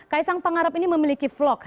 kaisang pangarep ini memiliki vlog